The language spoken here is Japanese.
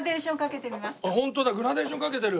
ホントだグラデーションかけてる。